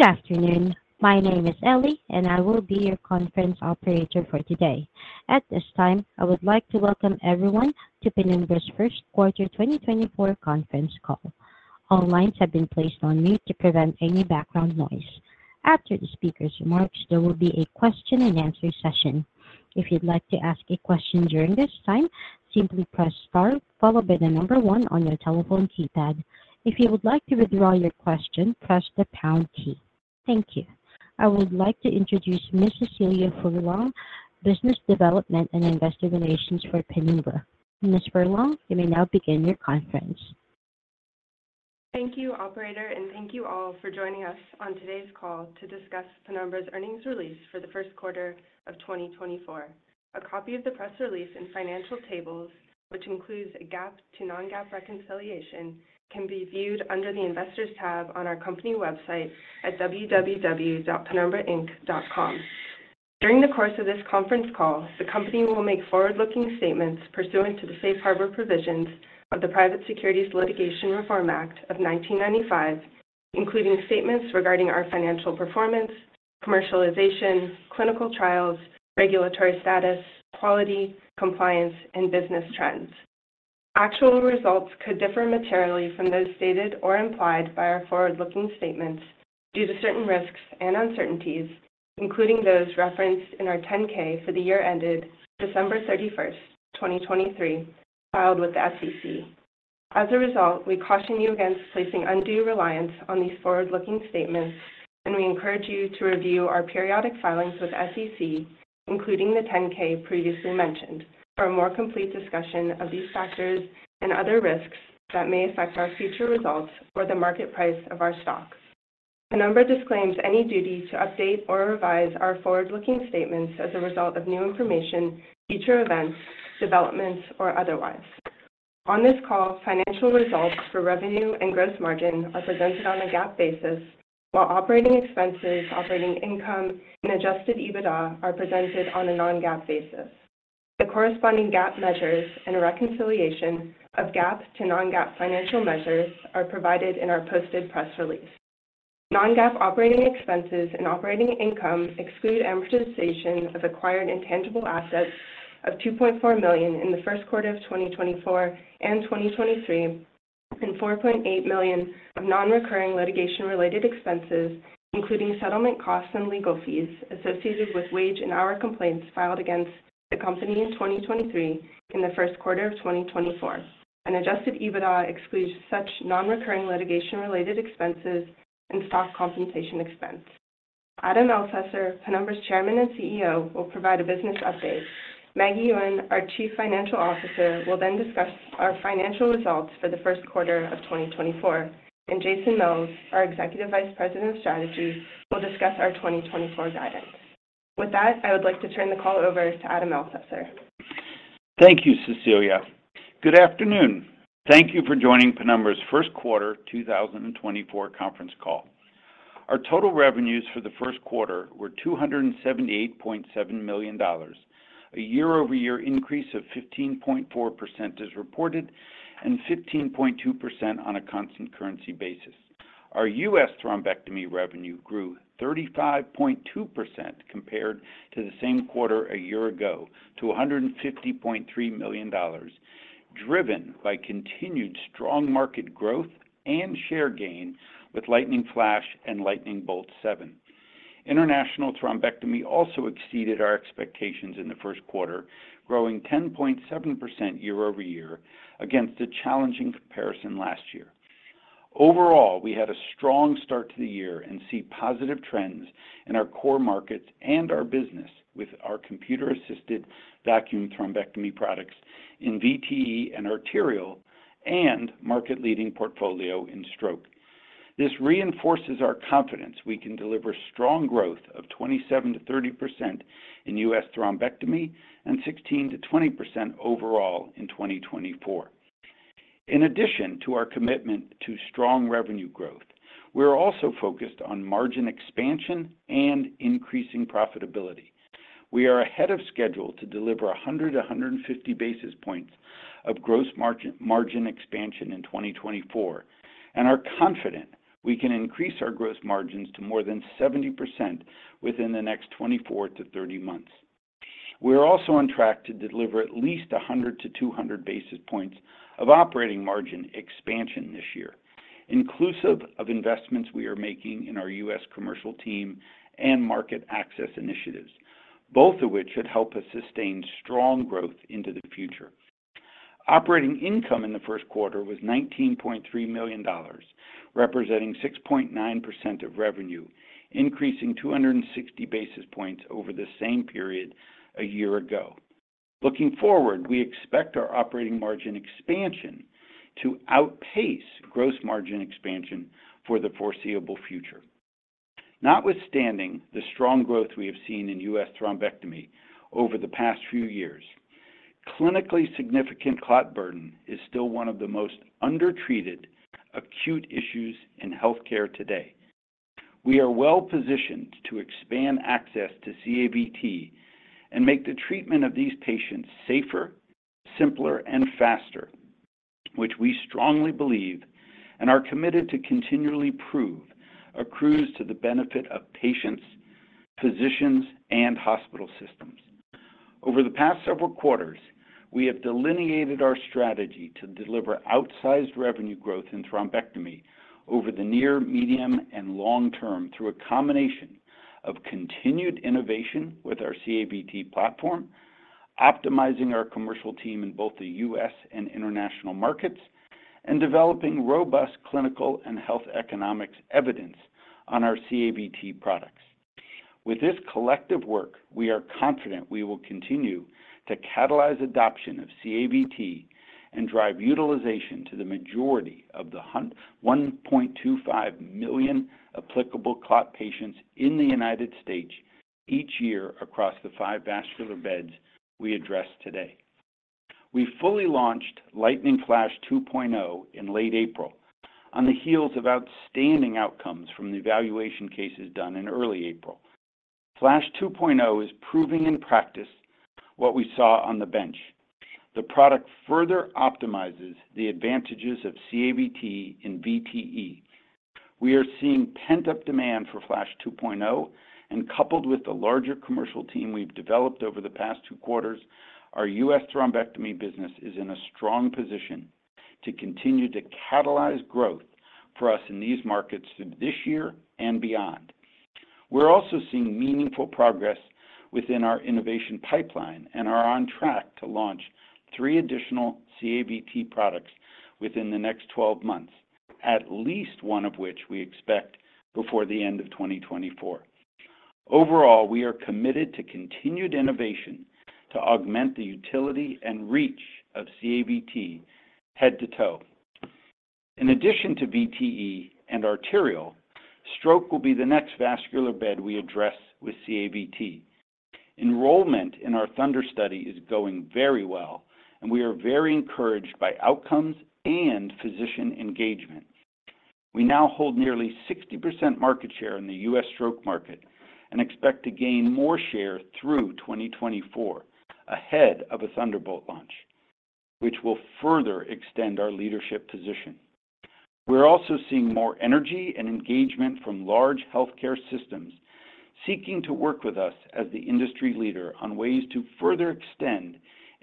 Good afternoon. My name is Ellie, and I will be your conference operator for today. At this time, I would like to welcome everyone to Penumbra's first quarter 2024 conference call. All lines have been placed on mute to prevent any background noise. After the speaker's remarks, there will be a question and answer session. If you'd like to ask a question during this time, simply press star followed by the number one on your telephone keypad. If you would like to withdraw your question, press the pound key. Thank you. I would like to introduce Miss Cecilia Furlong, Business Development and Investor Relations for Penumbra. Miss Furlong, you may now begin your conference. Thank you, operator, and thank you all for joining us on today's call to discuss Penumbra's earnings release for the first quarter of 2024. A copy of the press release and financial tables, which includes a GAAP to non-GAAP reconciliation, can be viewed under the Investors tab on our company website at www.penumbrainc.com. During the course of this conference call, the company will make forward-looking statements pursuant to the Safe Harbor Provisions of the Private Securities Litigation Reform Act of 1995, including statements regarding our financial performance, commercialization, clinical trials, regulatory status, quality, compliance, and business trends. Actual results could differ materially from those stated or implied by our forward-looking statements due to certain risks and uncertainties, including those referenced in our 10-K for the year ended December 31, 2023, filed with the SEC. As a result, we caution you against placing undue reliance on these forward-looking statements, and we encourage you to review our periodic filings with SEC, including the 10-K previously mentioned, for a more complete discussion of these factors and other risks that may affect our future results or the market price of our stock. Penumbra disclaims any duty to update or revise our forward-looking statements as a result of new information, future events, developments, or otherwise. On this call, financial results for revenue and gross margin are presented on a GAAP basis, while operating expenses, operating income, and adjusted EBITDA are presented on a non-GAAP basis. The corresponding GAAP measures and a reconciliation of GAAP to non-GAAP financial measures are provided in our posted press release. Non-GAAP operating expenses and operating income exclude amortization of acquired intangible assets of $2.4 million in the first quarter of 2024 and 2023, and $4.8 million of non-recurring litigation-related expenses, including settlement costs and legal fees associated with wage and hour complaints filed against the company in 2023, in the first quarter of 2024. Adjusted EBITDA excludes such non-recurring litigation-related expenses and stock compensation expense. Adam Elsesser, Penumbra's Chairman and CEO, will provide a business update. Maggie Yuen, our Chief Financial Officer, will then discuss our financial results for the first quarter of 2024, and Jason Mills, our Executive Vice President of Strategy, will discuss our 2024 guidance. With that, I would like to turn the call over to Adam Elsesser. Thank you, Cecilia. Good afternoon. Thank you for joining Penumbra's first quarter 2024 conference call. Our total revenues for the first quarter were $278.7 million, a year-over-year increase of 15.4% as reported, and 15.2% on a constant currency basis. Our U.S. thrombectomy revenue grew 35.2% compared to the same quarter a year ago, to $150.3 million, driven by continued strong market growth and share gains with Lightning Flash and Lightning Bolt 7. International thrombectomy also exceeded our expectations in the first quarter, growing 10.7% year-over-year against a challenging comparison last year. Overall, we had a strong start to the year and see positive trends in our core markets and our business with our computer-assisted vacuum thrombectomy products in VTE and arterial and market-leading portfolio in stroke. This reinforces our confidence we can deliver strong growth of 27%-30% in U.S. thrombectomy and 16%-20% overall in 2024. In addition to our commitment to strong revenue growth, we are also focused on margin expansion and increasing profitability. We are ahead of schedule to deliver 100-150 basis points of gross margin, margin expansion in 2024, and are confident we can increase our gross margins to more than 70% within the next 24-30 months. We are also on track to deliver at least 100-200 basis points of operating margin expansion this year, inclusive of investments we are making in our U.S. commercial team and market access initiatives, both of which should help us sustain strong growth into the future. Operating income in the first quarter was $19.3 million, representing 6.9% of revenue, increasing 260 basis points over the same period a year ago. Looking forward, we expect our operating margin expansion to outpace gross margin expansion for the foreseeable future. Notwithstanding the strong growth we have seen in U.S. thrombectomy over the past few years, clinically significant clot burden is still one of the most undertreated acute issues in healthcare today. We are well positioned to expand access to CAVT and make the treatment of these patients safer, simpler, and faster. which we strongly believe and are committed to continually prove, accrues to the benefit of patients, physicians, and hospital systems. Over the past several quarters, we have delineated our strategy to deliver outsized revenue growth in thrombectomy over the near, medium, and long term, through a combination of continued innovation with our CAVT platform, optimizing our commercial team in both the U.S. and international markets, and developing robust clinical and health economics evidence on our CAVT products. With this collective work, we are confident we will continue to catalyze adoption of CAVT and drive utilization to the majority of the 1.25 million applicable clot patients in the United States each year across the five vascular beds we address today. We fully launched Lightning Flash 2.0 in late April, on the heels of outstanding outcomes from the evaluation cases done in early April. Lightning Flash 2.0 is proving in practice what we saw on the bench. The product further optimizes the advantages of CAVT in VTE. We are seeing pent-up demand for Lightning Flash 2.0, and coupled with the larger commercial team we've developed over the past two quarters, our U.S. thrombectomy business is in a strong position to continue to catalyze growth for us in these markets through this year and beyond. We're also seeing meaningful progress within our innovation pipeline and are on track to launch three atdditional CAVT products within the next 12 months, at least one of which we expect before the end of 2024. Overall, we are committed to continued innovation to augment the utility and reach of CAVT head to toe. In addition to VTE and arterial, stroke will be the next vascular bed we address with CAVT. Enrollment in our THUNDER study is going very well, and we are very encouraged by outcomes and physician engagement. We now hold nearly 60% market share in the U.S. stroke market and expect to gain more share through 2024, ahead of a Thunderbolt launch, which will further extend our leadership position. We're also seeing more energy and engagement from large healthcare systems seeking to work with us as the industry leader on ways to further extend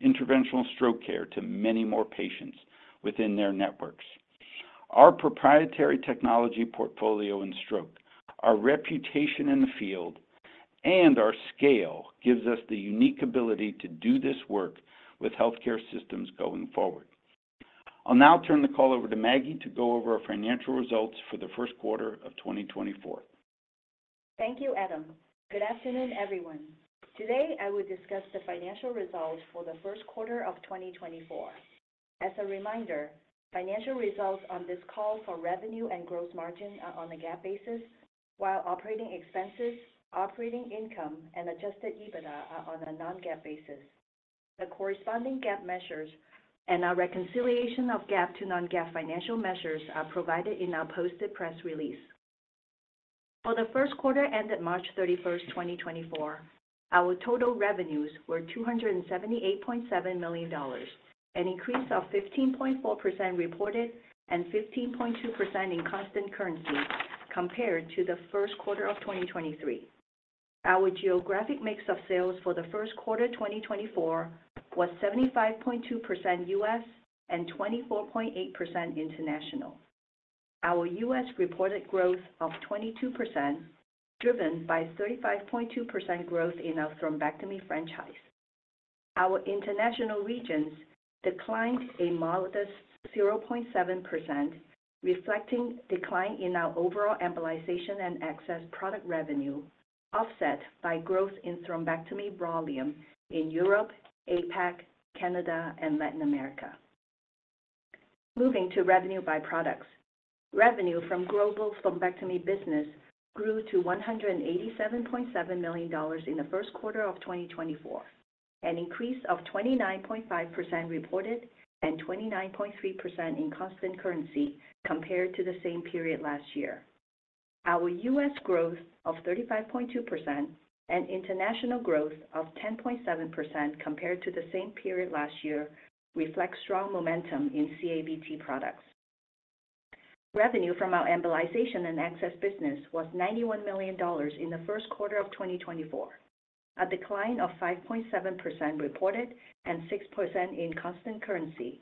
interventional stroke care to many more patients within their networks. Our proprietary technology portfolio in stroke, our reputation in the field, and our scale, gives us the unique ability to do this work with healthcare systems going forward. I'll now turn the call over to Maggie to go over our financial results for the first quarter of 2024. Thank you, Adam. Good afternoon, everyone. Today, I will discuss the financial results for the first quarter of 2024. As a reminder, financial results on this call for revenue and gross margin are on a GAAP basis, while operating expenses, operating income, and adjusted EBITDA are on a non-GAAP basis. The corresponding GAAP measures and our reconciliation of GAAP to non-GAAP financial measures are provided in our posted press release. For the first quarter ended March 31, 2024, our total revenues were $278.7 million, an increase of 15.4% reported and 15.2% in constant currency compared to the first quarter of 2023. Our geographic mix of sales for the first quarter 2024 was 75.2% U.S. and 24.8% international. Our U.S. growth of 22%, driven by 35.2% growth in our thrombectomy franchise. Our international regions declined a modest 0.7%, reflecting decline in our overall embolization and access product revenue, offset by growth in thrombectomy volume in Europe, APAC, Canada, and Latin America. Moving to revenue by products. Revenue from global thrombectomy business grew to $187.7 million in the first quarter of 2024, an increase of 29.5% reported and 29.3% in constant currency compared to the same period last year. Our U.S. growth of 35.2% and international growth of 10.7% compared to the same period last year, reflects strong momentum in CAVT products. Revenue from our embolization and access business was $91 million in the first quarter of 2024, a decline of 5.7% reported and 6% in constant currency,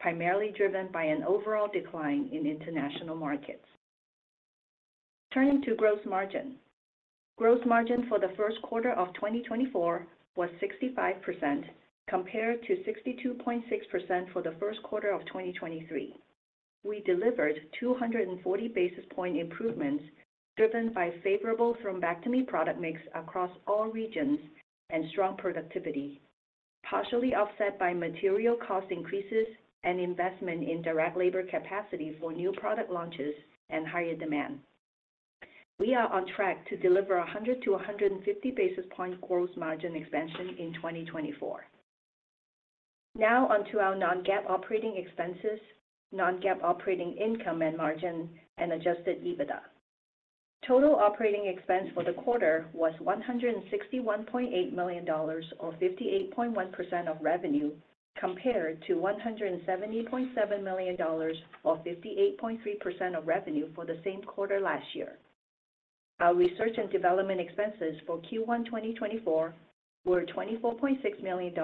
primarily driven by an overall decline in international markets. Turning to gross margin. Gross margin for the first quarter of 2024 was 65%, compared to 62.6% for the first quarter of 2023. We delivered 240 basis point improvements, driven by favorable thrombectomy product mix across all regions and strong productivity, partially offset by material cost increases and investment in direct labor capacity for new product launches and higher demand. We are on track to deliver 100-150 basis point gross margin expansion in 2024. Now on to our non-GAAP operating expenses, non-GAAP operating income and margin, and adjusted EBITDA. Total operating expense for the quarter was $161.8 million, or 58.1% of revenue, compared to $170.7 million, or 58.3% of revenue for the same quarter last year. Our research and development expenses for Q1 2024 were $24.6 million,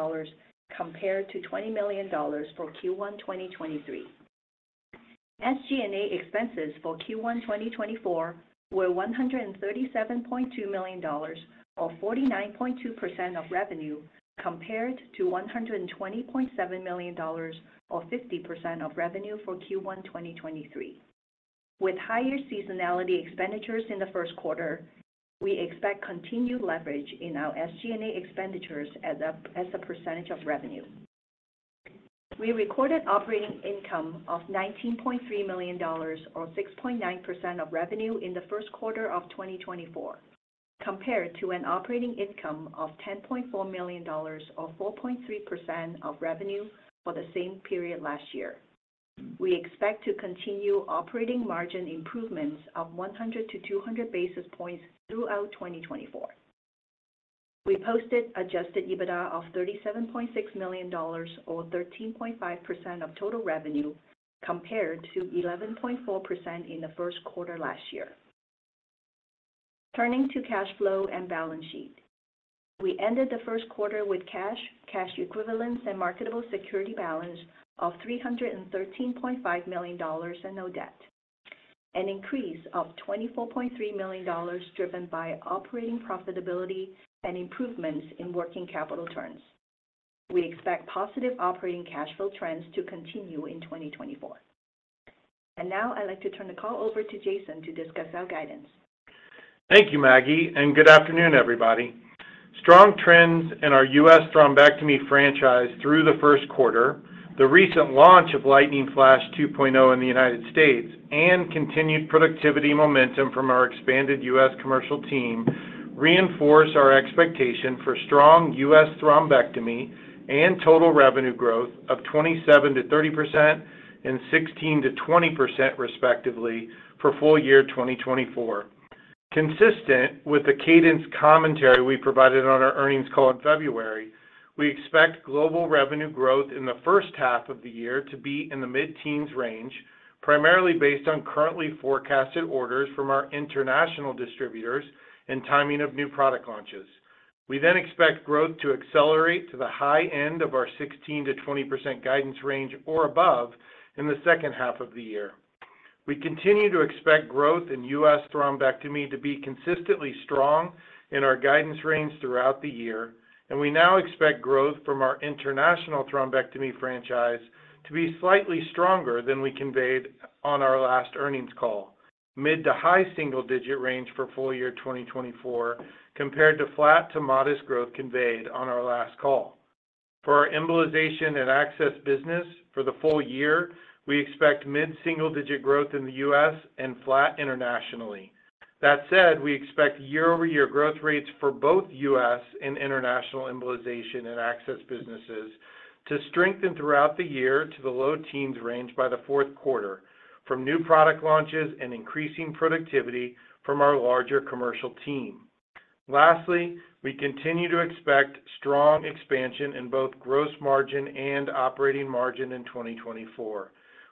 compared to $20 million for Q1 2023. SG&A expenses for Q1 2024 were $137.2 million, or 49.2% of revenue, compared to $120.7 million, or 50% of revenue for Q1 2023. With higher seasonality expenditures in the first quarter, we expect continued leverage in our SG&A expenditures as a percentage of revenue. We recorded operating income of $19.3 million, or 6.9% of revenue in the first quarter of 2024, compared to an operating income of $10.4 million or 4.3% of revenue for the same period last year. We expect to continue operating margin improvements of 100-200 basis points throughout 2024. We posted adjusted EBITDA of $37.6 million, or 13.5% of total revenue, compared to 11.4% in the first quarter last year. Turning to cash flow and balance sheet. We ended the first quarter with cash, cash equivalents, and marketable security balance of $313.5 million and no debt. An increase of $24.3 million, driven by operating profitability and improvements in working capital terms. We expect positive operating cash flow trends to continue in 2024. Now I'd like to turn the call over to Jason to discuss our guidance. Thank you, Maggie, and good afternoon, everybody. Strong trends in our U.S. thrombectomy franchise through the first quarter, the recent launch of Lightning Flash 2.0 in the United States, and continued productivity momentum from our expanded U.S. commercial team, reinforce our expectation for strong U.S. thrombectomy and total revenue growth of 27%-30% and 16%-20%, respectively, for full year 2024. Consistent with the cadence commentary we provided on our earnings call in February, we expect global revenue growth in the first half of the year to be in the mid-teens range, primarily based on currently forecasted orders from our international distributors and timing of new product launches. We then expect growth to accelerate to the high end of our 16%-20% guidance range or above in the second half of the year. We continue to expect growth in U.S. thrombectomy to be consistently strong in our guidance range throughout the year, and we now expect growth from our international thrombectomy franchise to be slightly stronger than we conveyed on our last earnings call. Mid- to high-single-digit range for full year 2024, compared to flat to modest growth conveyed on our last call. For our embolization and access business for the full year, we expect mid-single-digit growth in the U.S. and flat internationally. That said, we expect year-over-year growth rates for both U.S. and international embolization and access businesses to strengthen throughout the year to the low-teens range by the fourth quarter from new product launches and increasing productivity from our larger commercial team. Lastly, we continue to expect strong expansion in both gross margin and operating margin in 2024.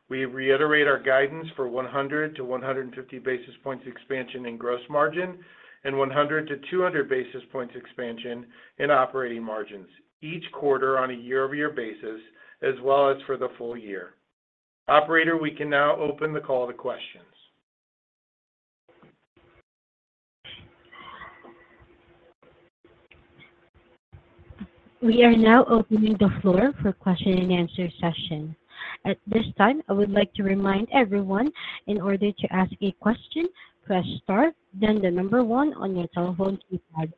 We reiterate our guidance for 100-150 basis points expansion in gross margin and 100-200 basis points expansion in operating margins each quarter on a year-over-year basis, as well as for the full year. Operator, we can now open the call to questions. We are now opening the floor for question and answer session. At this time, I would like to remind everyone, in order to ask a question, press star, then the number one on your telephone keypad.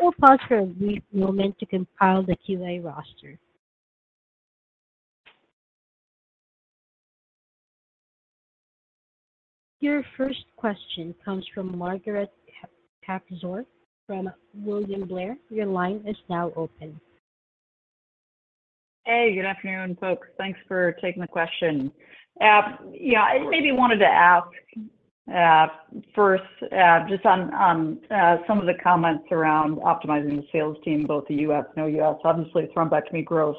We'll pause for a brief moment to compile the QA roster. Your first question comes from Margaret Kaczor from William Blair. Your line is now open. Hey, good afternoon, folks. Thanks for taking the question. Yeah, I maybe wanted to ask, first, just on some of the comments around optimizing the sales team, both the U.S. and OUS. Obviously, thrombectomy growth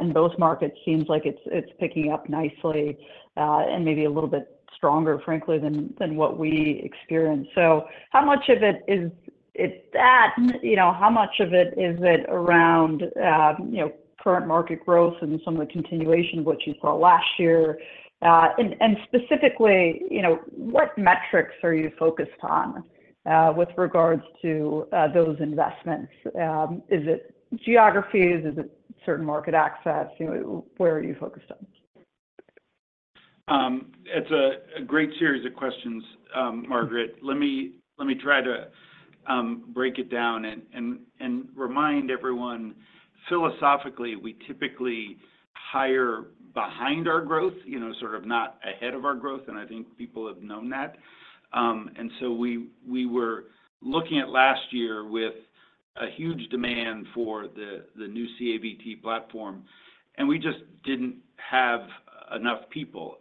in both markets seems like it's picking up nicely, and maybe a little bit stronger, frankly, than what we experienced. So how much of it is it that, you know, how much of it is it around, you know, current market growth and some of the continuation of what you saw last year? And specifically, you know, what metrics are you focused on with regards to those investments? Is it geographies? Is it certain market access? You know, where are you focused on? It's a great series of questions, Margaret. Let me try to break it down and remind everyone, philosophically, we typically hire behind our growth, you know, sort of not ahead of our growth, and I think people have known that. And so we were looking at last year with- a huge demand for the new CAVT platform, and we just didn't have enough people.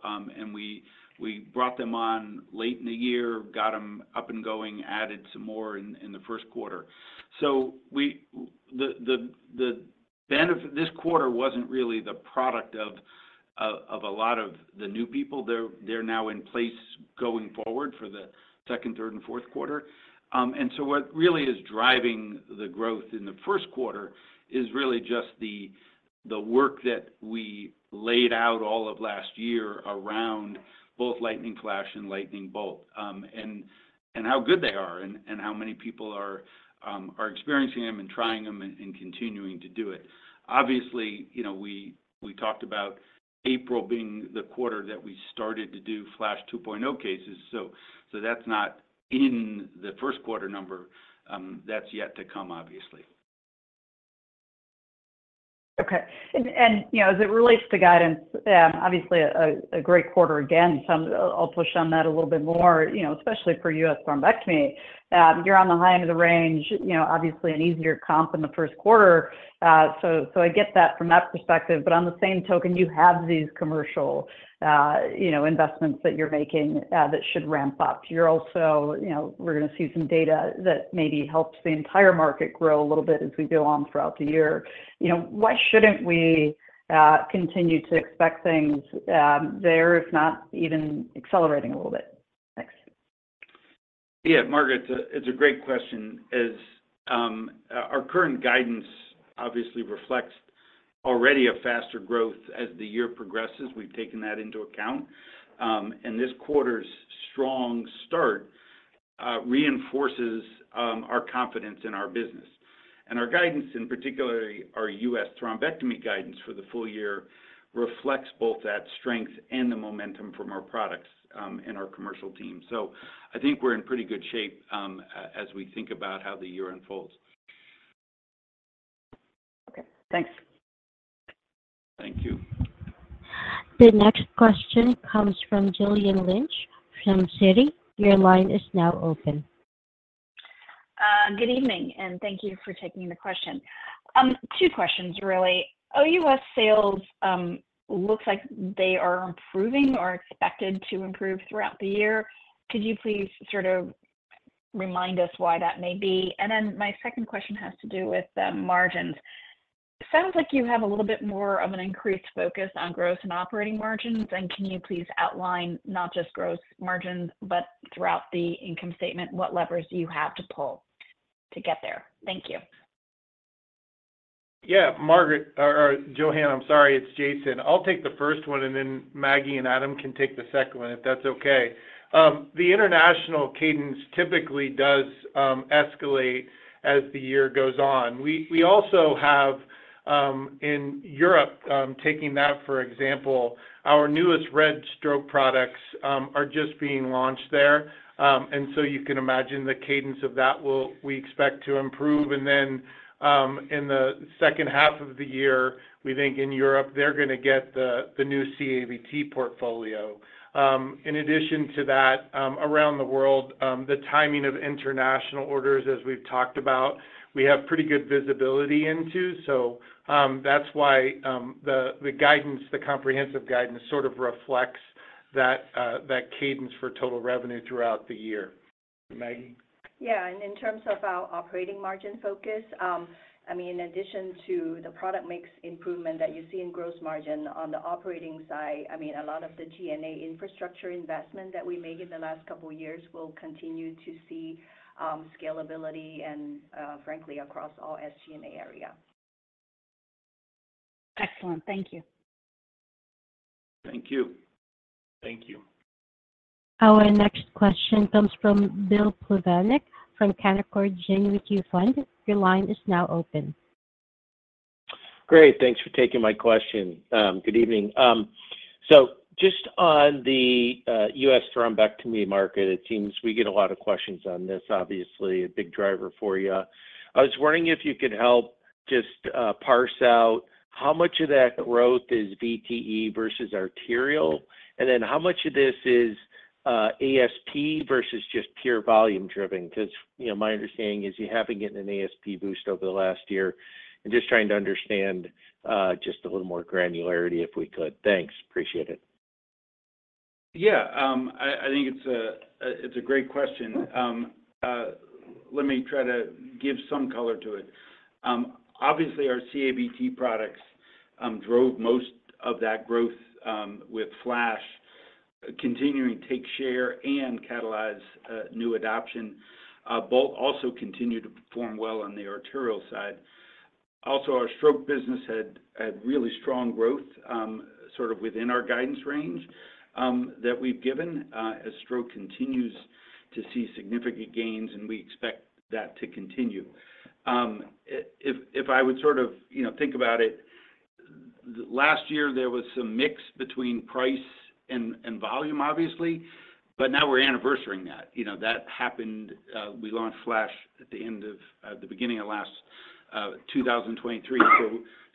We brought them on late in the year, got them up and going, added some more in the first quarter. So the benefit this quarter wasn't really the product of a lot of the new people. They're now in place going forward for the second, third, and fourth quarter. And so what really is driving the growth in the first quarter is really just the work that we laid out all of last year around both Lightning Flash and Lightning Bolt. And how good they are, and how many people are experiencing them and trying them and continuing to do it. Obviously, you know, we talked about April being the quarter that we started to do Flash 2.0 cases, so that's not in the first quarter number. That's yet to come, obviously. Okay. And, you know, as it relates to guidance, obviously a great quarter again. I'll push on that a little bit more, you know, especially for U.S. thrombectomy. You're on the high end of the range, you know, obviously an easier comp in the first quarter. So I get that from that perspective. But on the same token, you have these commercial, you know, investments that you're making that should ramp up. You're also you know, we're going to see some data that maybe helps the entire market grow a little bit as we go on throughout the year. You know, why shouldn't we continue to expect things there, if not even accelerating a little bit? Thanks. Yeah, Margaret, it's a great question. As our current guidance obviously reflects already a faster growth as the year progresses. We've taken that into account, and this quarter's strong start reinforces our confidence in our business. Our guidance, in particular, our U.S. thrombectomy guidance for the full year, reflects both that strength and the momentum from our products and our commercial team. I think we're in pretty good shape, as we think about how the year unfolds. Okay. Thanks. Thank you. The next question comes from Joanne Wuensch from Citi. Your line is now open. Good evening, and thank you for taking the question. Two questions really. OUS sales looks like they are improving or expected to improve throughout the year. Could you please sort of remind us why that may be? And then my second question has to do with margins. It sounds like you have a little bit more of an increased focus on growth and operating margins. And can you please outline not just growth margins, but throughout the income statement, what levers do you have to pull to get there? Thank you. Yeah. Margaret, or Joanne, I'm sorry, it's Jason. I'll take the first one, and then Maggie and Adam can take the second one, if that's okay. The international cadence typically does escalate as the year goes on. We also have in Europe, taking that for example, our newest RED stroke products are just being launched there. And so you can imagine the cadence of that we expect to improve, and then in the second half of the year, we think in Europe, they're going to get the new CAVT portfolio. In addition to that, around the world, the timing of international orders, as we've talked about, we have pretty good visibility into. So that's why the guidance, the comprehensive guidance sort of reflects that that cadence for total revenue throughout the year. Maggie? Yeah, and in terms of our operating margin focus, I mean, in addition to the product mix improvement that you see in gross margin on the operating side, I mean, a lot of the SG&A infrastructure investment that we made in the last couple of years will continue to see scalability and, frankly, across all SG&A area. Excellent. Thank you. Thank you. Thank you. Our next question comes from Bill Plovanic from Canaccord Genuity. Your line is now open. Great. Thanks for taking my question. Good evening. So just on the U.S. thrombectomy market, it seems we get a lot of questions on this, obviously a big driver for you. I was wondering if you could help just parse out how much of that growth is VTE versus arterial, and then how much of this is ASP versus just pure volume-driven? Because, you know, my understanding is you have been getting an ASP boost over the last year, and just trying to understand just a little more granularity, if we could. Thanks. Appreciate it. Yeah, I think it's a great question. Let me try to give some color to it. Obviously, our CAVT products drove most of that growth with FLASH continuing to take share and catalyze new adoption. Both also continued to perform well on the arterial side. Also, our stroke business had really strong growth, sort of within our guidance range that we've given, as stroke continues to see significant gains, and we expect that to continue. If I would sort of, you know, think about it, last year, there was some mix between price and volume, obviously, but now we're anniversarying that. You know, that happened. We launched FLASH at the end of the beginning of 2023.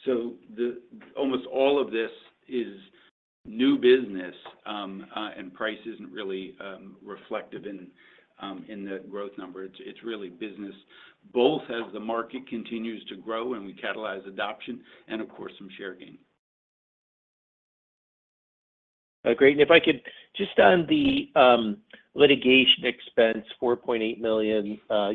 So, the almost all of this is new business, and price isn't really reflective in the growth number. It's really business, both as the market continues to grow and we catalyze adoption, and of course, some share gain. Great. And if I could just on the litigation expense, $4.8 million,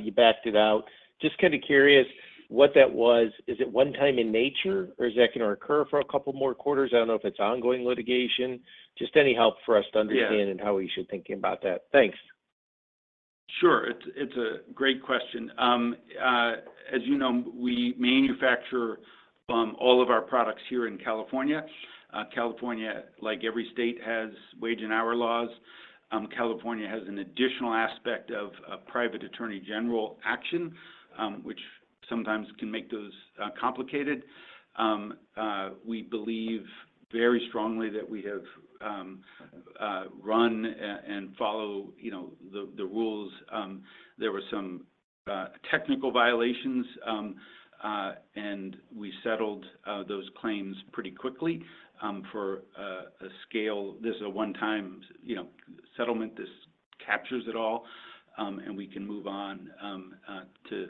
you backed it out. Just kind of curious what that was. Is it one-time in nature, or is that going to occur for a couple more quarters? I don't know if it's ongoing litigation. Just any help for us to understand. Yeah And how we should thinking about that? Thanks. Sure. It's a great question. As you know, we manufacture all of our products here in California. California, like every state, has wage and hour laws. California has an additional aspect of a private attorney general action, which sometimes can make those complicated. We believe very strongly that we have run and follow, you know, the rules. There were some technical violations, and we settled those claims pretty quickly. For a scale, this is a one-time, you know, settlement that captures it all, and we can move on to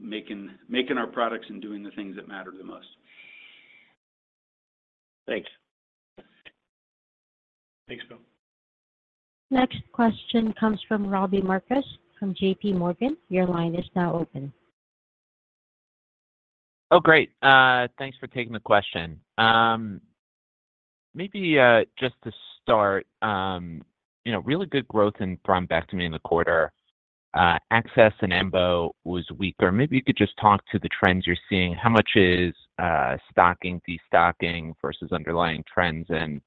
making our products and doing the things that matter the most. Thanks. Thanks, Bill. Next question comes from Robbie Marcus, from J.P. Morgan. Your line is now open. Oh, great. Thanks for taking the question. Maybe just to start, you know, really good growth in thrombectomy in the quarter. Access and embo was weaker. Maybe you could just talk to the trends you're seeing. How much is stocking, destocking versus underlying trends? And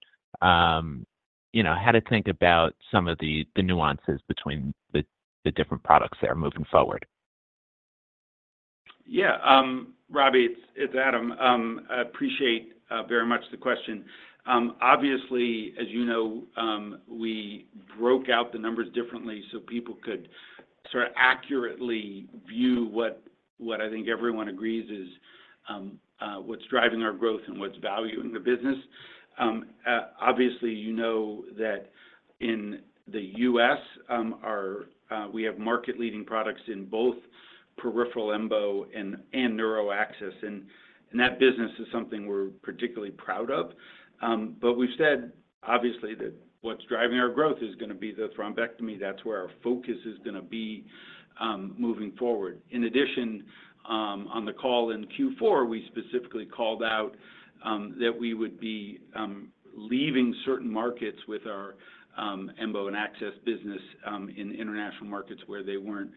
you know, how to think about some of the nuances between the different products that are moving forward. Yeah, Robbie, it's Adam. I appreciate very much the question. Obviously, as you know, we broke out the numbers differently so people could sort of accurately view what I think everyone agrees is what's driving our growth and what's value in the business. Obviously, you know that in the U.S., we have market-leading products in both peripheral embo and neuro access, and that business is something we're particularly proud of. But we've said, obviously, that what's driving our growth is going to be the thrombectomy. That's where our focus is going to be, moving forward. In addition, on the call in Q4, we specifically called out that we would be leaving certain markets with our embo and access business in international markets where they weren't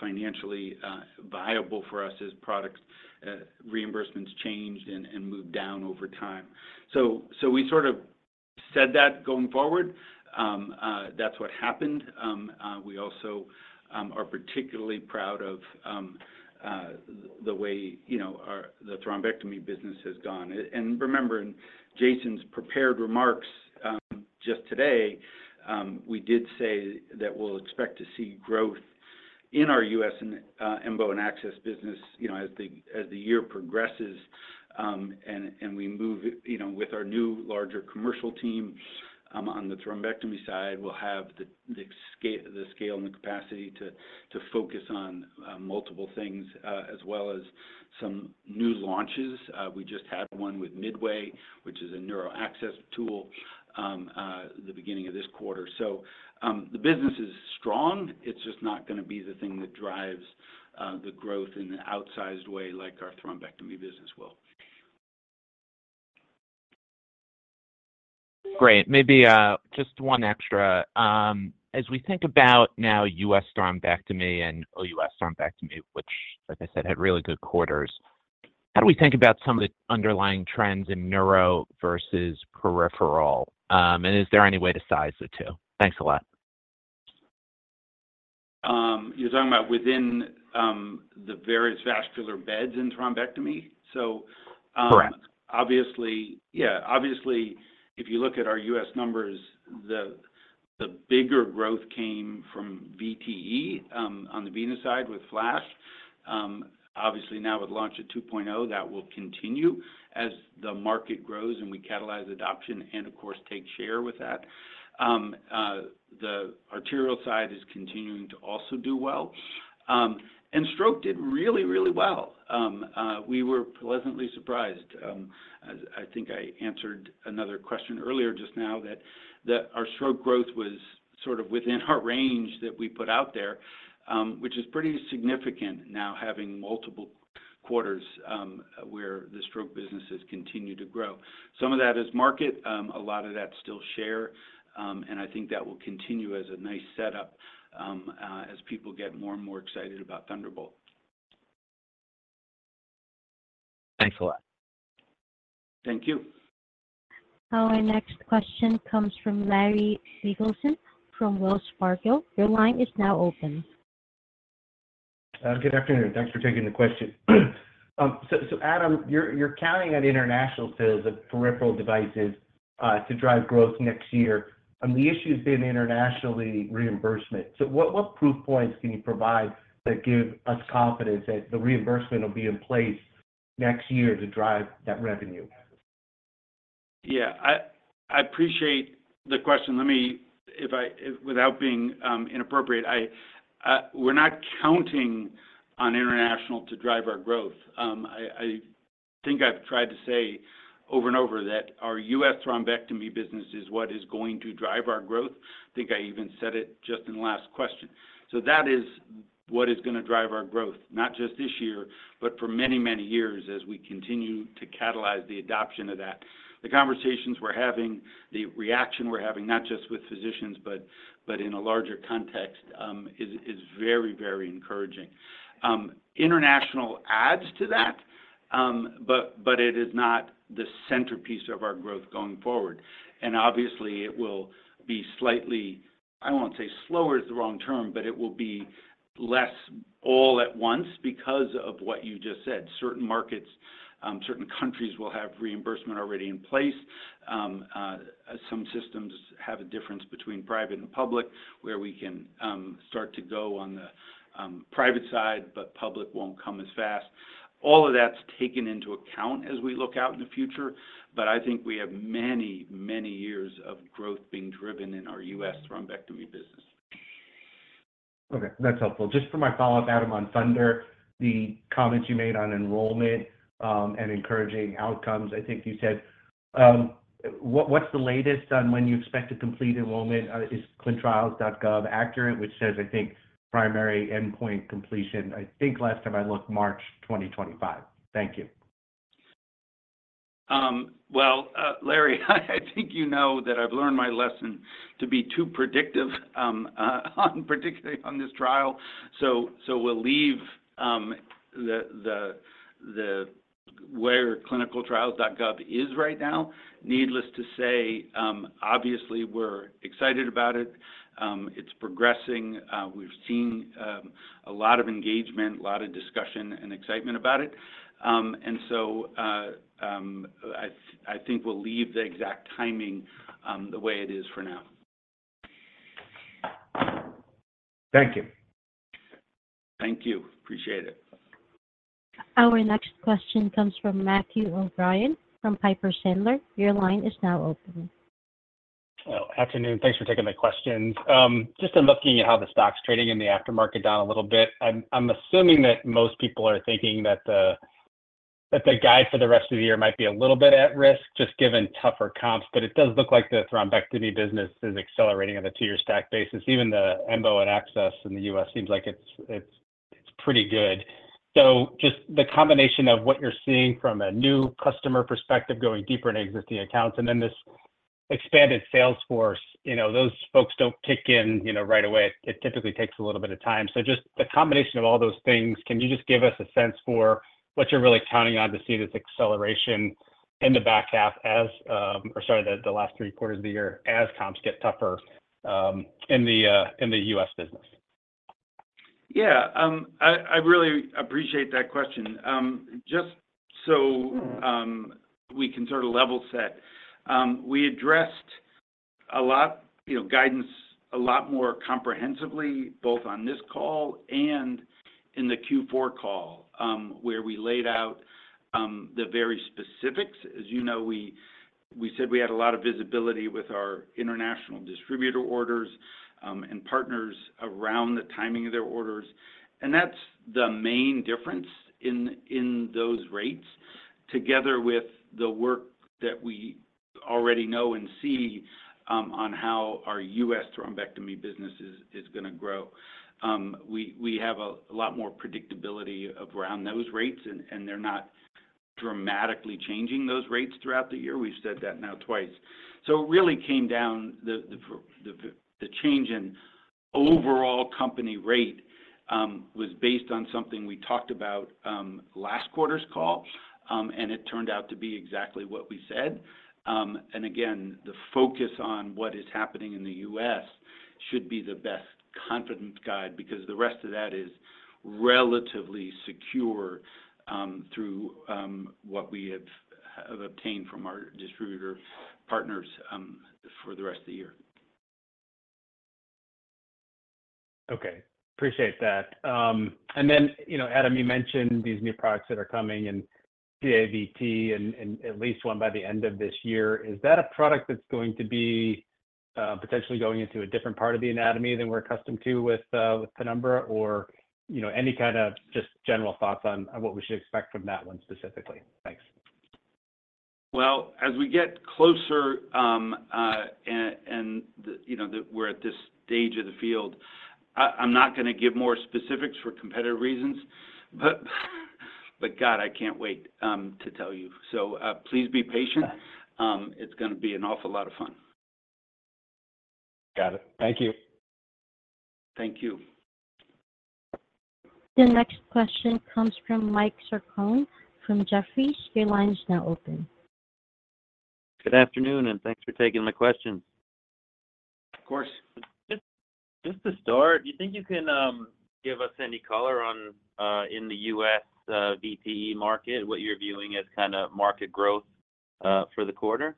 financially viable for us as products reimbursements changed and moved down over time. So we sort of said that going forward, that's what happened. We also are particularly proud of the way, you know, our thrombectomy business has gone. And remember, in Jason's prepared remarks just today, we did say that we'll expect to see growth in our U.S. and embo and access business, you know, as the year progresses, and we move, you know, with our new, larger commercial team. On the thrombectomy side, we'll have the scale and the capacity to focus on multiple things as well as some new launches. We just had one with Midway, which is a neuro access tool, the beginning of this quarter. So, the business is strong. It's just not going to be the thing that drives the growth in an outsized way like our thrombectomy business will. Great. Maybe just one extra. As we think about now U.S. thrombectomy and O.U.S. thrombectomy, which, like I said, had really good quarters, how do we think about some of the underlying trends in neuro versus peripheral? And is there any way to size the two? Thanks a lot. You're talking about within the various vascular beds in thrombectomy? So, Correct. Obviously, yeah. Obviously, if you look at our U.S. numbers, the bigger growth came from VTE, on the venous side with FLASH. Obviously, now with launch of 2.0, that will continue as the market grows and we catalyze adoption and of course, take share with that. The arterial side is continuing to also do well. And stroke did really, really well. We were pleasantly surprised. I think I answered another question earlier, just now that our stroke growth was sort of within our range that we put out there, which is pretty significant now, having multiple quarters, where the stroke business has continued to grow. Some of that is market, a lot of that's still share, and I think that will continue as a nice setup as people get more and more excited about Thunderbolt. Thanks a lot. Thank you. Our next question comes from Larry Biegelsen from Wells Fargo. Your line is now open. Good afternoon. Thanks for taking the question. So, Adam, you're counting on international sales of peripheral devices to drive growth next year. The issue has been internationally reimbursement. So what proof points can you provide that give us confidence that the reimbursement will be in place next year to drive that revenue? Yeah, I appreciate the question. Let me, if without being inappropriate, we're not counting on international to drive our growth. I think I've tried to say over and over that our U.S. thrombectomy business is what is going to drive our growth. I think I even said it just in the last question. So that is what is going to drive our growth, not just this year, but for many, many years as we continue to catalyze the adoption of that. The conversations we're having, the reaction we're having, not just with physicians, but in a larger context, is very, very encouraging. International adds to that, but it is not the centerpiece of our growth going forward. Obviously, it will be slightly, I won't say slower is the wrong term, but it will be less all at once because of what you just said. Certain markets, certain countries will have reimbursement already in place. Some systems have a difference between private and public, where we can start to go on the private side, but public won't come as fast. All of that's taken into account as we look out in the future, but I think we have many, many years of growth being driven in our U.S. thrombectomy business. Okay, that's helpful. Just for my follow-up, Adam, on THUNDER, the comments you made on enrollment, and encouraging outcomes, I think you said. What, what's the latest on when you expect to complete enrollment? Is clinicaltrials.gov accurate, which says, I think, primary endpoint completion, I think last time I looked, March 2025. Thank you. Well, Larry, I think you know that I've learned my lesson to be too predictive, on, particularly on this trial. So we'll leave the where clinicaltrials.gov is right now. Needless to say, obviously, we're excited about it. It's progressing. We've seen a lot of engagement, a lot of discussion and excitement about it. And so I think we'll leave the exact timing the way it is for now. Thank you. Thank you. Appreciate it. Our next question comes from Matthew O'Brien, from Piper Sandler. Your line is now open. Well, afternoon. Thanks for taking my questions. Just in looking at how the stock's trading in the aftermarket down a little bit, I'm assuming that most people are thinking that the guide for the rest of the year might be a little bit at risk, just given tougher comps, but it does look like the thrombectomy business is accelerating on a two-year stack basis. Even the EMBO and access in the U.S. seems like it's pretty good. So just the combination of what you're seeing from a new customer perspective, going deeper into existing accounts, and then this expanded sales force, you know, those folks don't kick in, you know, right away. It typically takes a little bit of time. So just the combination of all those things, can you just give us a sense for what you're really counting on to see this acceleration in the back half as, or sorry, the last three quarters of the year, as comps get tougher, in the U.S. business? Yeah. I really appreciate that question. Just so we can sort of level set. We addressed a lot, you know, guidance a lot more comprehensively, both on this call and in the Q4 call, where we laid out the very specifics. As you know, we said we had a lot of visibility with our international distributor orders and partners around the timing of their orders, and that's the main difference in those rates, together with the work that we already know and see on how our U.S. thrombectomy business is going to grow. We have a lot more predictability around those rates, and they're not dramatically changing those rates throughout the year. We've said that now twice. So it really came down to the change in overall company rate was based on something we talked about last quarter's call, and it turned out to be exactly what we said. And again, the focus on what is happening in the U.S. should be the best confidence guide, because the rest of that is relatively secure through what we have obtained from our distributor partners for the rest of the year. Okay. Appreciate that. And then, you know, Adam, you mentioned these new products that are coming in CAVT and at least one by the end of this year. Is that a product that's going to be potentially going into a different part of the anatomy than we're accustomed to with Penumbra? Or, you know, any kind of just general thoughts on what we should expect from that one specifically? Thanks. Well, as we get closer, you know, we're at this stage of the field. I'm not going to give more specifics for competitive reasons, but God, I can't wait to tell you. So, please be patient. Got it. It's going to be an awful lot of fun. Got it. Thank you. Thank you. The next question comes from Michael Sarcone, from Jefferies. Your line is now open. Good afternoon, and thanks for taking my questions. Of course. Just to start, do you think you can give us any color on, in the U.S. VTE market, what you're viewing as kinda market growth for the quarter?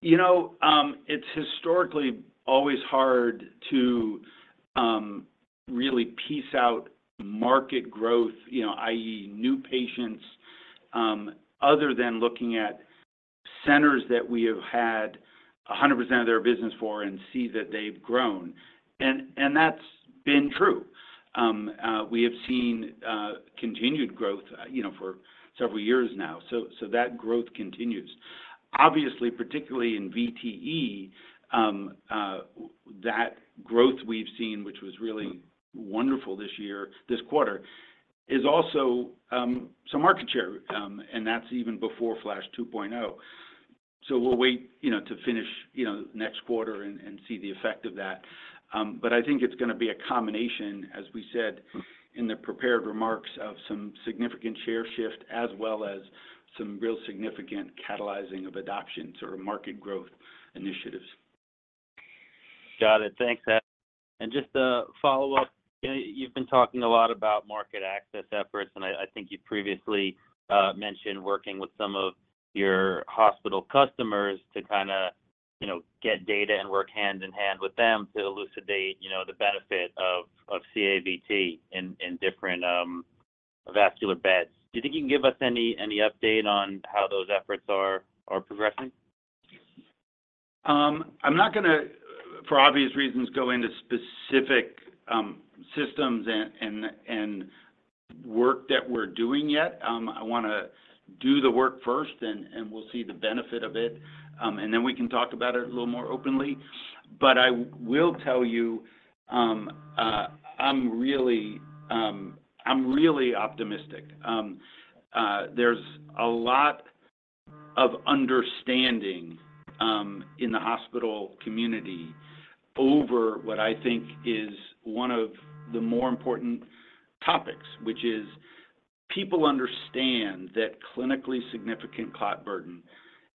You know, it's historically always hard to really piece out market growth, you know, i.e., new patients, other than looking at centers that we have had 100% of their business for and see that they've grown. That's been true. We have seen continued growth, you know, for several years now. That growth continues. Obviously, particularly in VTE, that growth we've seen, which was really wonderful this quarter, is also some market share, and that's even before Flash 2.0. We'll wait, you know, to finish, you know, next quarter and see the effect of that. But I think it's gonna be a combination, as we said, in the prepared remarks of some significant share shift, as well as some real significant catalyzing of adoptions or market growth initiatives. Got it. Thanks, Matt. And just a follow-up. You know, you've been talking a lot about market access efforts, and I think you previously mentioned working with some of your hospital customers to kinda, you know, get data and work hand in hand with them to elucidate, you know, the benefit of CAVT in different vascular beds. Do you think you can give us any update on how those efforts are progressing? I'm not gonna, for obvious reasons, go into specific systems and work that we're doing yet. I wanna do the work first, then, and we'll see the benefit of it, and then we can talk about it a little more openly. But I will tell you, I'm really, I'm really optimistic. There's a lot of understanding in the hospital community over what I think is one of the more important topics, which is people understand that clinically significant clot burden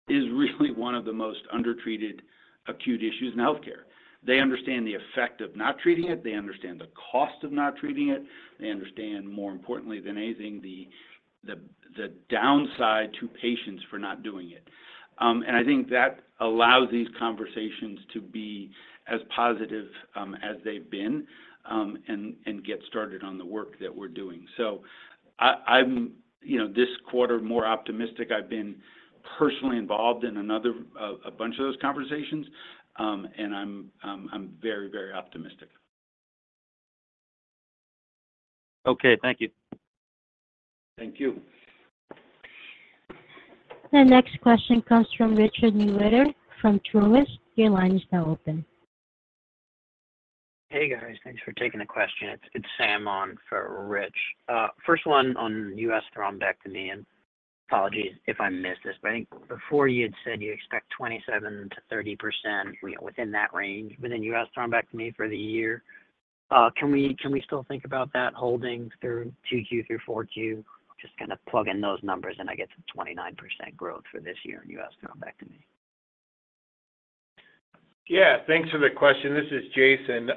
is really one of the most undertreated acute issues in healthcare. They understand the effect of not treating it, they understand the cost of not treating it, they understand, more importantly than anything, the downside to patients for not doing it. I think that allows these conversations to be as positive as they've been, and get started on the work that we're doing. So I'm, you know, this quarter, more optimistic. I've been personally involved in another bunch of those conversations, and I'm very, very optimistic. Okay, thank you. Thank you. The next question comes from Richard Newitter from Truist. Your line is now open. Hey, guys. Thanks for taking the question. It's Sam on for Rich. First one on U.S. thrombectomy, and apologies if I missed this, but I think before you had said you expect 27%-30% within that range, within US thrombectomy for the year. Can we still think about that holding through 2Q through 4Q? Just kinda plug in those numbers, and I get some 29% growth for this year in U.S. thrombectomy. Yeah, thanks for the question. This is Jason.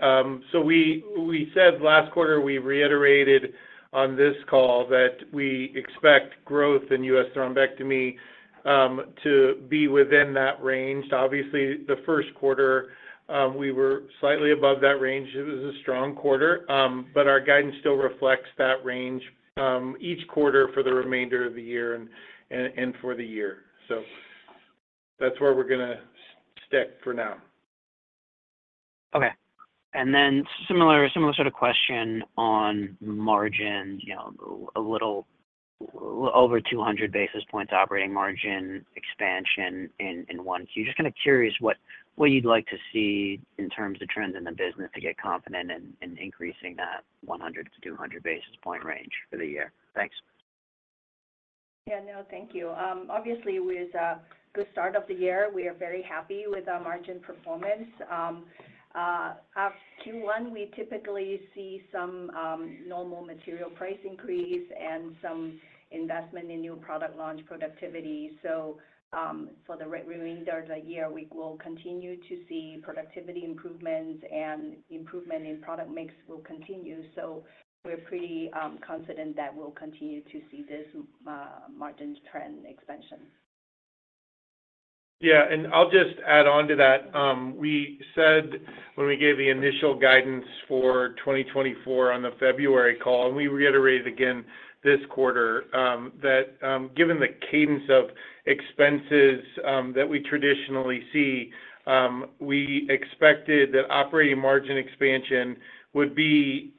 So we said last quarter, we reiterated on this call that we expect growth in U.S. thrombectomy to be within that range. Obviously, the first quarter, we were slightly above that range. It was a strong quarter, but our guidance still reflects that range each quarter for the remainder of the year and for the year. So that's where we're gonna stick for now. Okay. And then similar sort of question on margin, you know, a little over 200 basis points operating margin expansion in one. So just kind of curious what you'd like to see in terms of trends in the business to get confident in increasing that 100-200 basis point range for the year. Thanks. Yeah, no, thank you. Obviously, with a good start of the year, we are very happy with our margin performance. At Q1, we typically see some normal material price increase and some investment in new product launch productivity. So, for the remainder of the year, we will continue to see productivity improvements and improvement in product mix will continue. So we're pretty confident that we'll continue to see this margin trend expansion. Yeah, and I'll just add on to that. We said when we gave the initial guidance for 2024 on the February call, and we reiterated again this quarter, that, given the cadence of expenses, that we traditionally see, we expected that operating margin expansion would be,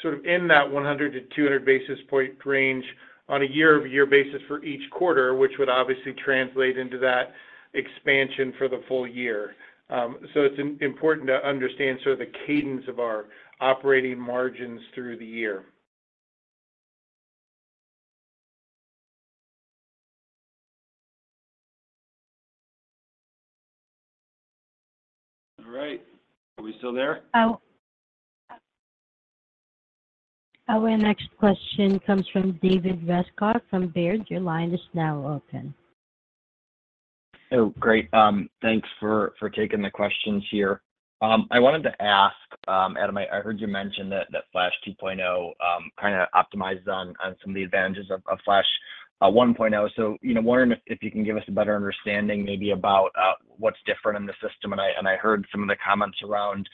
sort of in that 100-200 basis points range on a year-over-year basis for each quarter, which would obviously translate into that expansion for the full year. So it's important to understand sort of the cadence of our operating margins through the year. All right. Are we still there? Oh, our next question comes from David Rescott from Baird. Your line is now open. Oh, great. Thanks for taking the questions here. I wanted to ask, Adam, I heard you mention that Flash 2.0 kind of optimized on some of the advantages of Flash 1.0. So, you know, wondering if you can give us a better understanding maybe about what's different in the system. And I heard some of the comments around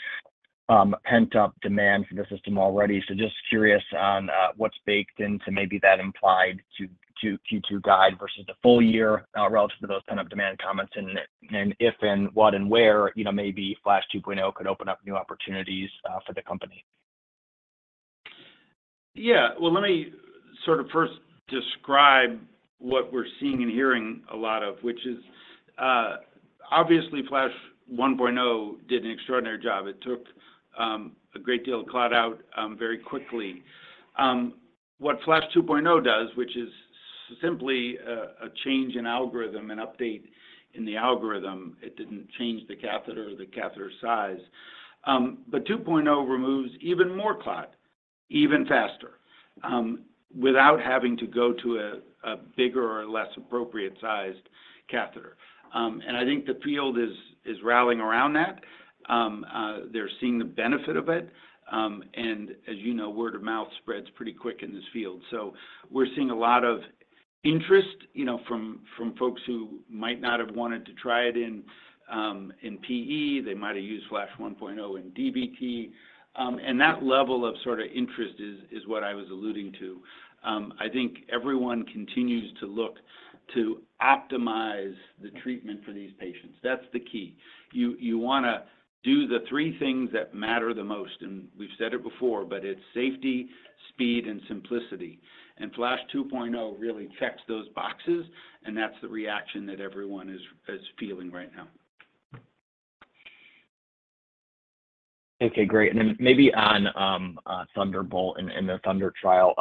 pent-up demand for the system already. So just curious on what's baked into maybe that implied to Q2 guide versus the full year, relative to those pent-up demand comments, and if and what and where, you know, maybe Flash 2.0 could open up new opportunities for the company? Yeah. Well, let me sort of first describe what we're seeing and hearing a lot of, which is, obviously, Flash 1.0 did an extraordinary job. It took a great deal of clot out very quickly. What Flash 2.0 does, which is simply a change in algorithm, an update in the algorithm. It didn't change the catheter or the catheter size. But 2.0 removes even more clot, even faster, without having to go to a bigger or less appropriate sized catheter. And I think the field is rallying around that. They're seeing the benefit of it. And as you know, word of mouth spreads pretty quick in this field. So we're seeing a lot of interest, you know, from folks who might not have wanted to try it in PE. They might have used Flash 1.0 in DVT. And that level of sort of interest is what I was alluding to. I think everyone continues to look to optimize the treatment for these patients. That's the key. You wanna do the three things that matter the most, and we've said it before, but it's safety, speed, and simplicity. And Flash 2.0 really checks those boxes, and that's the reaction that everyone is feeling right now. Okay, great. And then maybe on Thunderbolt and the Thunder trial.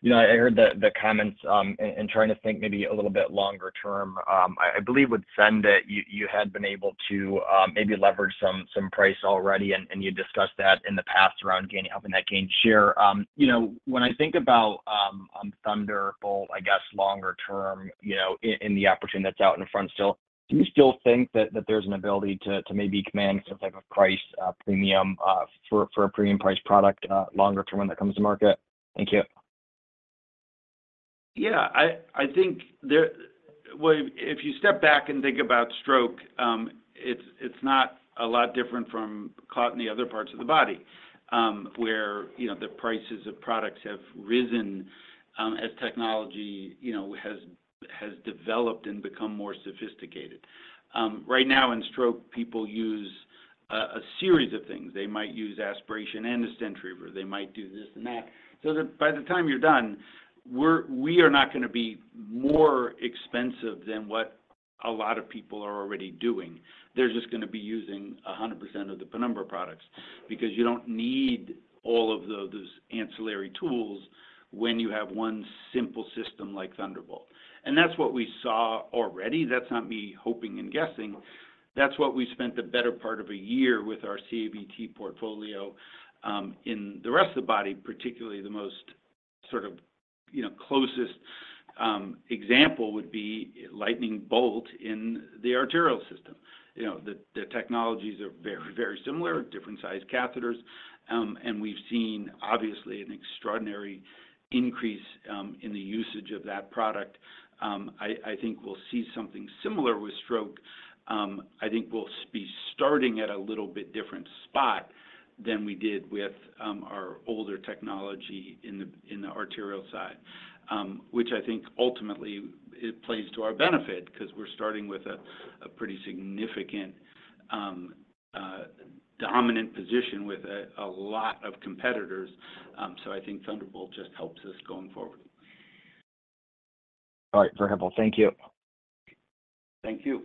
You know, I heard the comments and trying to think maybe a little bit longer term. I believe with SENDit, you had been able to maybe leverage some price already, and you discussed that in the past around gaining... helping that gain share. You know, when I think about Thunderbolt, I guess longer term, you know, and the opportunity that's out in front still, do you still think that there's an ability to maybe command some type of price premium for a premium price product longer term when that comes to market? Thank you. Yeah, I think. Well, if you step back and think about stroke, it's not a lot different from clots in the other parts of the body, where, you know, the prices of products have risen, as technology, you know, has developed and become more sophisticated. Right now, in stroke, people use a series of things. They might use aspiration and a stent retriever. They might do this and that. So that by the time you're done, we are not gonna be more expensive than what a lot of people are already doing. They're just gonna be using 100% of the Penumbra products, because you don't need all of those ancillary tools when you have one simple system like Thunderbolt. And that's what we saw already. That's not me hoping and guessing. That's what we spent the better part of a year with our CAVT portfolio, in the rest of the body, particularly the most sort of, you know, closest example would be Lightning Bolt in the arterial system. You know, the technologies are very, very similar, different-sized catheters. And we've seen, obviously, an extraordinary increase in the usage of that product. I think we'll see something similar with stroke. I think we'll be starting at a little bit different spot than we did with our older technology in the arterial side. Which I think ultimately it plays to our benefit because we're starting with a pretty significant dominant position with a lot of competitors. So I think Thunderbolt just helps us going forward. All right, very helpful. Thank you. Thank you.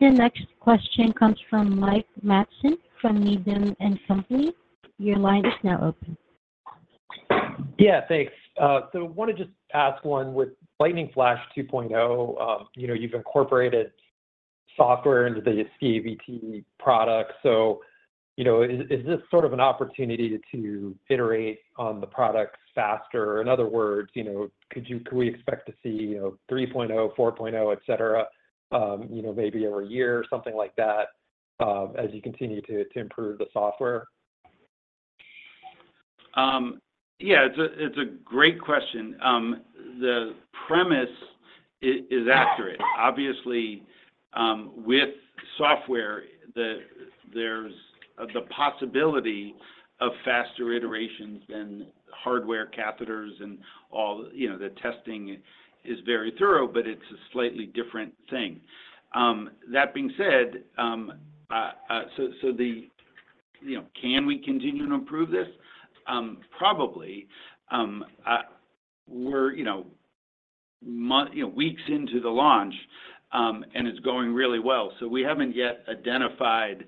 The next question comes from Mike Matson, from Needham & Company. Your line is now open. Yeah, thanks. So wanted to just ask one. With Lightning Flash 2.0, you know, you've incorporated software into the CAVT product. So, you know, is, is this sort of an opportunity to iterate on the products faster? In other words, you know, could you—can we expect to see, you know, 3.0, 4.0, et cetera, you know, maybe over a year or something like that, as you continue to, to improve the software? Yeah, it's a great question. The premise is accurate. Obviously, with software, there's the possibility of faster iterations than hardware, catheters and all. You know, the testing is very thorough, but it's a slightly different thing. That being said, you know, can we continue to improve this? Probably. We're, you know, month, you know, weeks into the launch, and it's going really well. So we haven't yet identified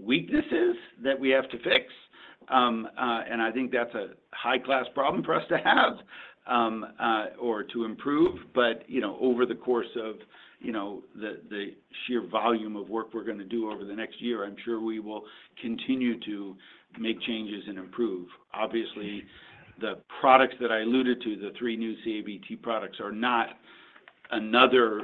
weaknesses that we have to fix. And I think that's a high-class problem for us to have, or to improve. But, you know, over the course of, you know, the, the sheer volume of work we're gonna do over the next year, I'm sure we will continue to make changes and improve. Obviously, the products that I alluded to, the three new CAVT products, are not another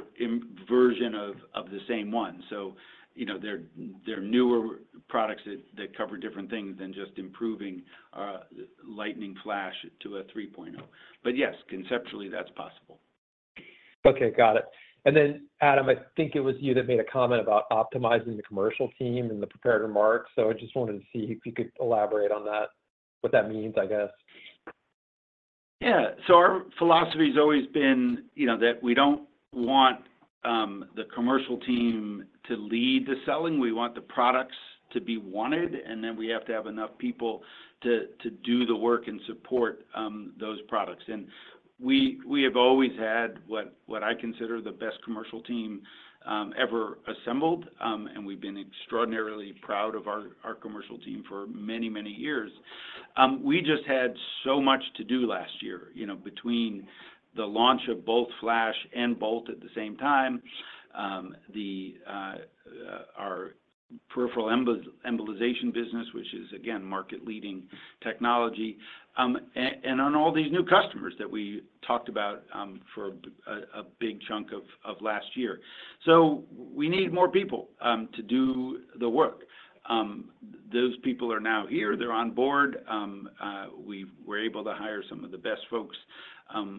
version of the same one. So, you know, they're newer products that cover different things than just improving Lightning Flash to a 3.0. But yes, conceptually, that's possible. Okay, got it. And then, Adam, I think it was you that made a comment about optimizing the commercial team in the prepared remarks, so I just wanted to see if you could elaborate on that. What that means, I guess? Yeah. So our philosophy has always been, you know, that we don't want the commercial team to lead the selling. We want the products to be wanted, and then we have to have enough people to do the work and support those products. And we have always had what I consider the best commercial team ever assembled, and we've been extraordinarily proud of our commercial team for many, many years. We just had so much to do last year, you know, between the launch of both Flash and Bolt at the same time, our peripheral embolization business, which is, again, market-leading technology, and on all these new customers that we talked about, for a big chunk of last year. So we need more people to do the work. Those people are now here. They're on board. We were able to hire some of the best folks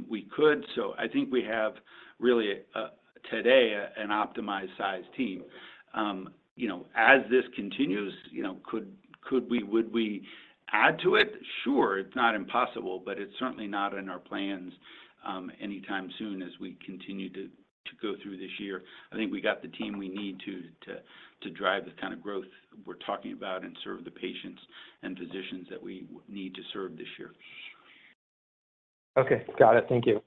we could. So I think we have really, today, an optimized-sized team. You know, as this continues, you know, could we, would we add to it? Sure, it's not impossible, but it's certainly not in our plans anytime soon as we continue to go through this year. I think we got the team we need to drive the kind of growth we're talking about and serve the patients and physicians that we need to serve this year. Okay, got it. Thank you.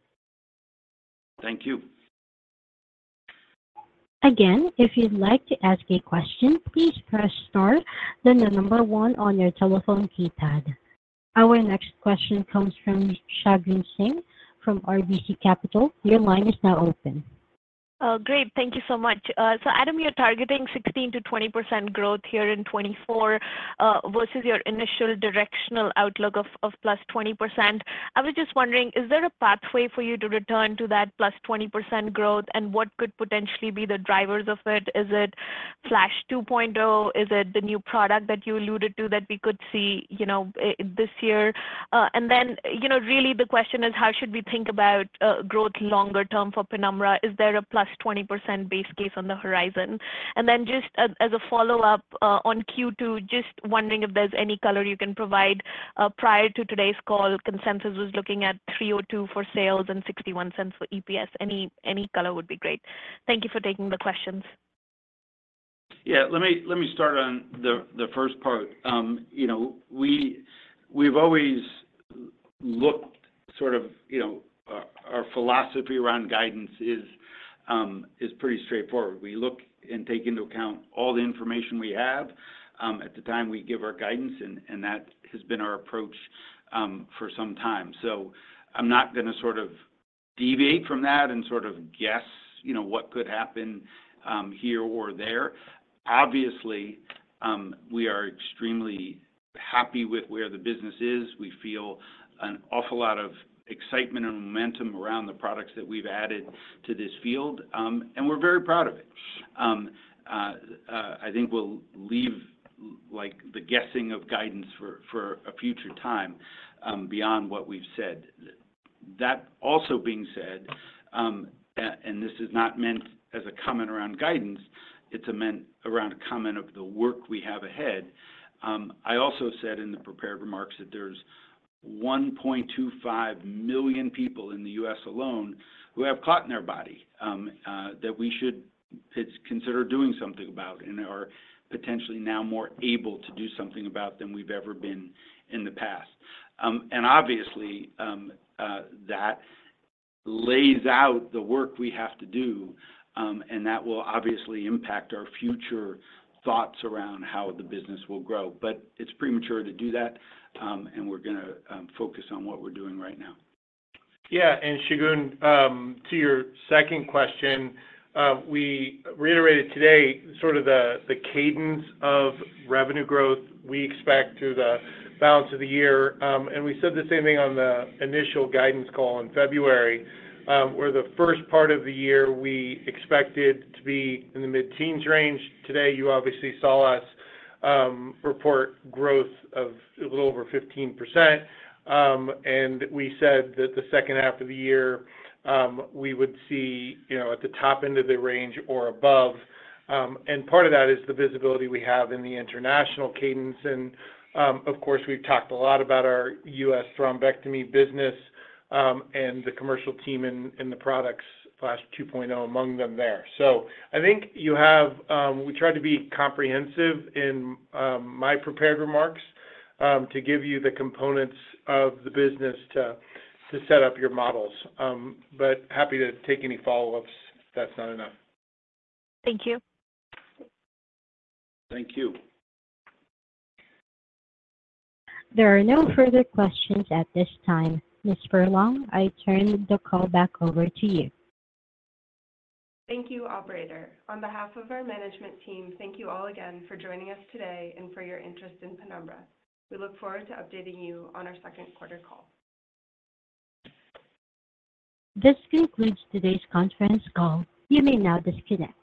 Thank you. Again, if you'd like to ask a question, please press star, then the number one on your telephone keypad. Our next question comes from Shagun Singh from RBC Capital. Your line is now open. Oh, great. Thank you so much. So Adam, you're targeting 16%-20% growth here in 2024 versus your initial directional outlook of +20%. I was just wondering, is there a pathway for you to return to that +20% growth, and what could potentially be the drivers of it? Is it Flash 2.0? Is it the new product that you alluded to that we could see, you know, this year? And then, you know, really the question is, how should we think about growth longer term for Penumbra? Is there a +20% base case on the horizon? And then just as a follow-up on Q2, just wondering if there's any color you can provide. Prior to today's call, consensus was looking at $302 for sales and $0.61 for EPS. Any, any color would be great. Thank you for taking the questions. Yeah, let me start on the first part. You know, we've always looked sort of, you know... Our philosophy around guidance is pretty straightforward. We look and take into account all the information we have at the time we give our guidance, and that has been our approach for some time. So I'm not going to sort of deviate from that and sort of guess, you know, what could happen here or there. Obviously, we are extremely happy with where the business is. We feel an awful lot of excitement and momentum around the products that we've added to this field, and we're very proud of it. I think we'll leave like the guessing of guidance for a future time beyond what we've said. That also being said, and this is not meant as a comment around guidance, it's meant around a comment of the work we have ahead. I also said in the prepared remarks that there's 1.25 million people in the U.S. alone who have clot in their body, that we should consider doing something about and are potentially now more able to do something about than we've ever been in the past. And obviously, that lays out the work we have to do, and that will obviously impact our future thoughts around how the business will grow. But it's premature to do that, and we're gonna focus on what we're doing right now. Yeah, and Shagun, to your second question, we reiterated today sort of the cadence of revenue growth we expect through the balance of the year. And we said the same thing on the initial guidance call in February, where the first part of the year we expected to be in the mid-teens range. Today, you obviously saw us report growth of a little over 15%. And we said that the second half of the year we would see, you know, at the top end of the range or above. And part of that is the visibility we have in the international cadence. And, of course, we've talked a lot about our U.S. thrombectomy business, and the commercial team in the products, Flash 2.0, among them there. So I think you have, we tried to be comprehensive in my prepared remarks to give you the components of the business to set up your models. But happy to take any follow-ups if that's not enough. Thank you. Thank you. There are no further questions at this time. Ms. Furlong, I turn the call back over to you. Thank you, operator. On behalf of our management team, thank you all again for joining us today and for your interest in Penumbra. We look forward to updating you on our second quarter call. This concludes today's conference call. You may now disconnect.